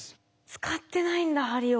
使ってないんだ針を。